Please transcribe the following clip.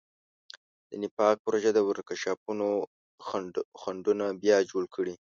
د نفاق پروژو د ورکشاپونو خنډونه بیا جوړ کړي.